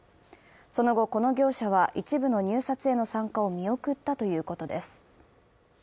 その後、この業者は一部の入札への参加を見送ったということです。